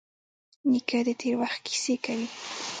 نیکه د تېر وخت کیسې کوي.